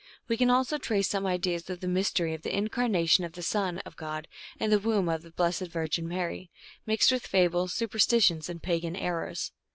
We can also trace some ideas of the mystery of the Incarnation of the Son of God in the womb of the Blessed Virgin Mary, mixed with fables, superstitions, and pagan errors.